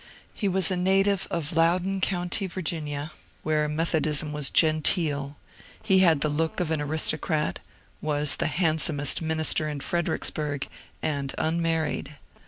He was a native of Loudoun County, Virginia, where Methodism was genteel ; he had the look of an aristo crat, was the handsomest minister in Fredericksburg, and un married.